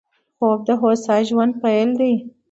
خوب د هوسا ژوند پيل دی